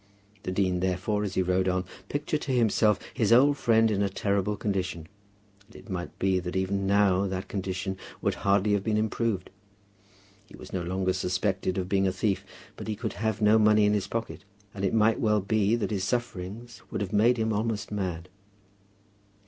The dean, therefore, as he rode on, pictured to himself his old friend in a terrible condition. And it might be that even now that condition would hardly have been improved. He was no longer suspected of being a thief; but he could have no money in his pocket; and it might well be that his sufferings would have made him almost mad.